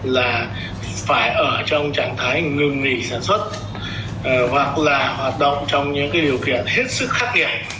là phải ở trong trạng thái ngừng nghỉ sản xuất hoặc là hoạt động trong những điều kiện hết sức khắc nghiệt